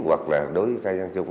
hoặc là đối với các dân chung